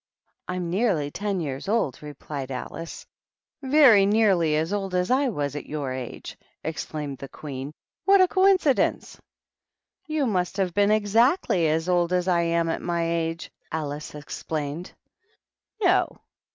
"I'm nearly ten years old," replied Alice, "Very nearly as old as I was at your agel" exclaimed the Queen. "What a coincidence I" " You must have been exactly as old as I am at my age," Alice explained. "No!"